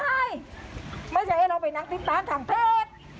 ใช่ไม่ใช่ให้เราไปนั่งพิมตานทางเพศ